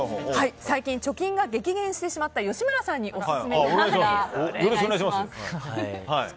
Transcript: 最近、貯金が激減してしまった吉村さんにオススメの漫画、お願いします。